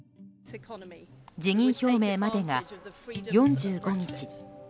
辞任表明までが、４５日。